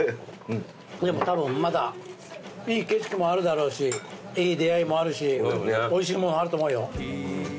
でもたぶんまだいい景色もあるだろうしいい出会いもあるしおいしいものあると思うよ。